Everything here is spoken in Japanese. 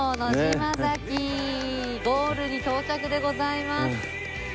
ゴールに到着でございます。